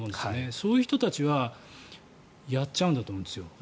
そういう人たちはやっちゃうんだと思うんですよ。